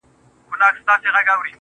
o څنگه دي هېره كړمه.